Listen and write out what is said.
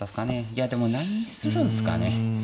いやでも何するんすかね。